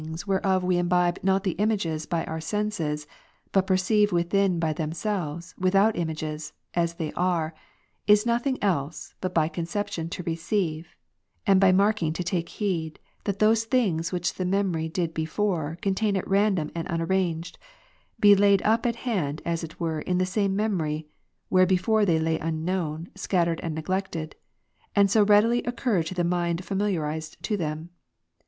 whereof we imbibe not the images by our senses, but per —~—— ceive within by themselves, without images, as they are, is nothing else, but by conception to receive, and by marking to take heed that those things which the memory did before contain at random and unarranged, be laid up at hand as it were in that same memory, where before they lay unknown, scattered and neglected, and so readily occur to the mind familiarized to them.